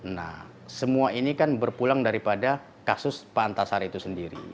nah semua ini kan berpulang daripada kasus pak antasari itu sendiri